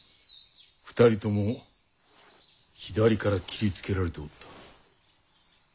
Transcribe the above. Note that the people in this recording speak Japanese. ２人とも左から斬りつけられておった。